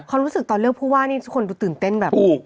เขารู้สึกตอนเลือกผู้ว่านี่ทุกคนดูตื่นเต้นแบบ